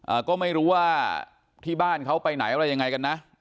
อ่าก็ไม่รู้ว่าที่บ้านเขาไปไหนอะไรยังไงกันนะ